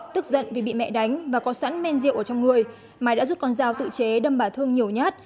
tức giận vì bị mẹ đánh và có sẵn men rượu ở trong người mai đã rút con dao tự chế đâm bà thương nhiều nhát